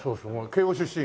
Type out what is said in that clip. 慶應出身？